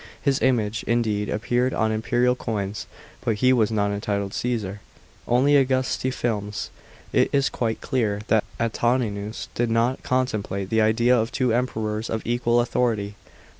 His image, indeed, appeared on imperial coins, but he was not entitled Ca?sar, only Auyusti films. It is quite clear that Antoninus did not contemplate the idea of two Emperors of equal authority.